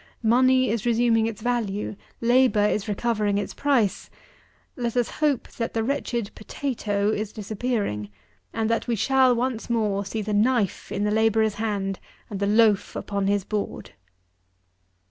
Money is resuming its value, labour is recovering its price: let us hope that the wretched potatoe is disappearing, and that we shall, once more, see the knife in the labourer's hand and the loaf upon his board.